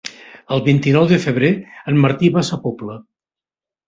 El vint-i-nou de febrer en Martí va a Sa Pobla.